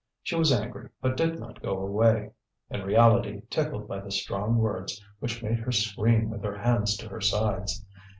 She was angry, but did not go away, in reality tickled by the strong words which made her scream with her hands to her sides.